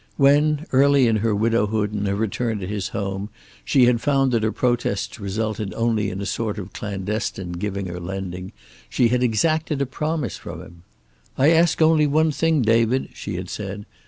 When, early in her widowhood and her return to his home, she had found that her protests resulted only in a sort of clandestine giving or lending, she had exacted a promise from him. "I ask only one thing, David," she had said.